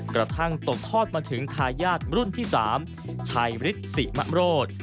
กระทั่งตกทอดมาถึงทายาทรุ่นที่๓ชัยฤทธิมะโรธ